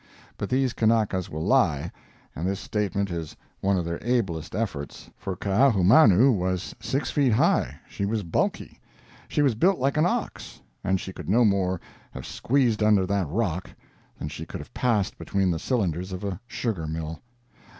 But these Kanakas will lie, and this statement is one of their ablest efforts—for Kaahumanu was six feet high—she was bulky—she was built like an ox—and she could no more have squeezed under that rock than she could have passed between the cylinders of a sugar mill.